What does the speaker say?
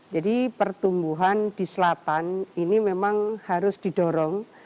jadi pertumbuhan di selatan ini memang harus didorong